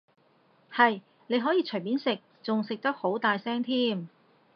係，你可以隨便食，仲食得好大聲添